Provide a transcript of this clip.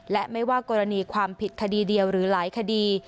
และไม่ว่ากรณีความผิดคดีเดียวหรือหลายคดี